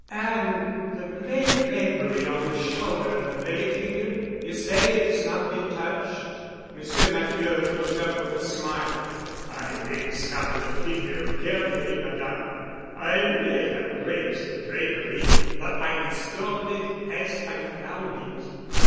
"And the gray drapery on the shoulder of the lay figure—you say it has not been touched?" Monsieur Matthieu looked up with a smile. "I examined the figure carefully, Madame. I may have raised the drapery—but I restored it as I found it."